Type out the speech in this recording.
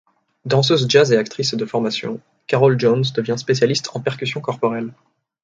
Danseuse jazz et actrice de formations, Carol Jones devient spécialiste en percussions corporelles.